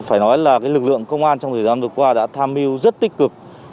phải nói là lực lượng công an trong thời gian vừa qua đã tham mưu rất tích cực